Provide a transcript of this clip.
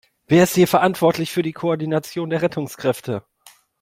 Wer ist hier verantwortlich für die Koordination der Rettungskräfte?